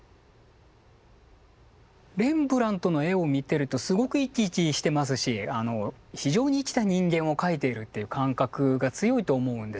レンブラントの絵を見てるとすごく生き生きしてますし非常に生きた人間を描いているっていう感覚が強いと思うんですよね。